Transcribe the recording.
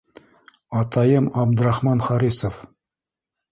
Атайым Абдрахман Харисов...